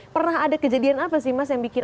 pernah ada kejadian apa sih mas yang bikin